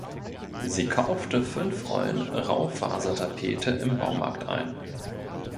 Sie kaufte fünf Rollen Raufasertapete im Baumarkt ein.